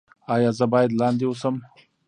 ایا زه باید لاندې اوسم؟